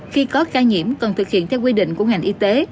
khi có ca nhiễm cần thực hiện theo quy định của ngành y tế